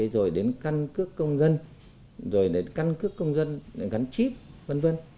rồi đến căn cước công dân rồi đến căn cước công dân gắn chip v v